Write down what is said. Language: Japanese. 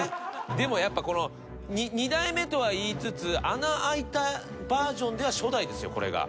でもやっぱこの２代目とは言いつつ穴あいたバージョンでは初代ですよこれが。